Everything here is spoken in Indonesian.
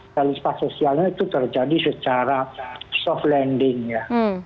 dan sifat sosialnya itu terjadi secara soft landing ya